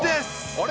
あれ？